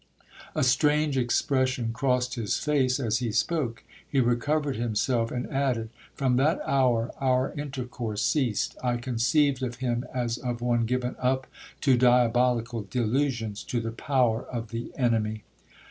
A strange expression crossed his face as he spoke. He recovered himself, and added, 'From that hour our intercourse ceased. I conceived of him as of one given up to diabolical delusions—to the power of the enemy.